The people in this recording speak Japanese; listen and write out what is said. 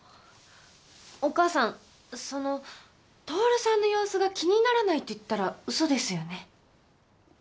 お母さんそのトオルさんの様子が気にならないって言ったら嘘ですよね？